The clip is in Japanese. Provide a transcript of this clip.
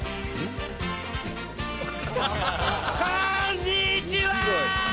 「こんにちは！！」